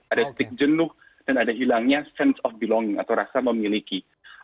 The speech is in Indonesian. ada titik jenuh dan ada hilangnya sense of belonging atau rasa memiliki